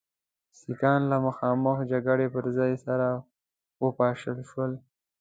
سیکهان له مخامخ جګړې پر ځای سره وپاشل شول.